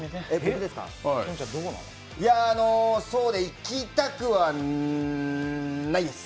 行きたくないですか？